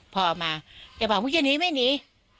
พอมาแกบอกว่าอุ๊คกี้หนีไม้หนี